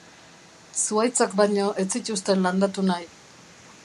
Zuhaitzak baino ez zituzten landatu nahi.